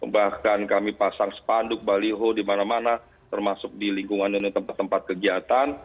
bahkan kami pasang spanduk baliho di mana mana termasuk di lingkungan dan tempat tempat kegiatan